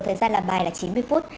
thời gian làm bài là chín mươi phút